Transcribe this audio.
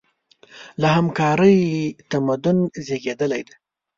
له همکارۍ تمدن زېږېدلی دی.